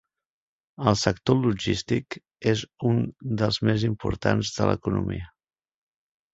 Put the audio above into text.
El sector logístic és un dels més importants de l'economia.